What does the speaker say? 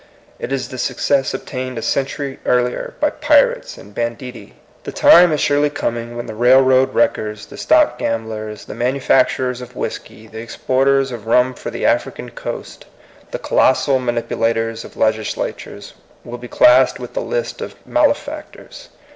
It is the success obtained a century earlier by pirates and banditti. The time is surely coming when the rail road wreckers, the stock gamblers, the man ufacturers of whiskey, the exporters of rum for the African coast, the colossal manipu lators of legislatures, will be classed with the list of malefactors.